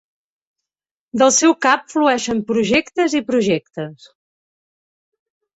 Del seu cap flueixen projectes i projectes.